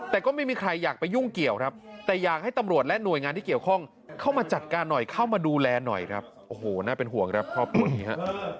แต่ก็ไม่มีใครอยากไปยุ่งเกี่ยวครับแต่อยากให้ตำรวจและหน่วยงานที่เกี่ยวข้องเข้ามาจัดการหน่อยเข้ามาดูแลหน่อยครับโอ้โหน่าเป็นห่วงครับครอบครัวนี้ฮะ